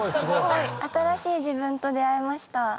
新しい自分と出会えました。